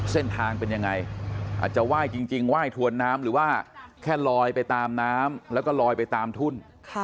เส้นทางเป็นยังไงอาจจะไหว้จริงไหว้ถวนน้ำหรือว่าแค่ลอยไปตามน้ำแล้วก็ลอยไปตามทุ่น